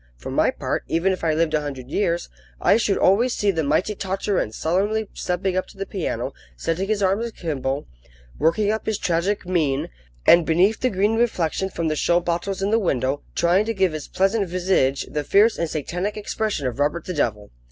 For my part, even if I lived a hundred years, I should always see the mighty Tartarin solemnly stepping up to the piano, setting his arms akimbo, working up his tragic mien, and, beneath the green reflection from the show bottles in the window, trying to give his pleasant visage the fierce and satanic expression of Robert the Devil.